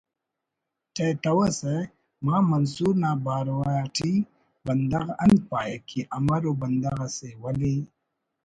ٹہتوسہ مان منصور نا بارو اٹی بندغ انت پاہے کہ امر ءُ بندغ اسے ولے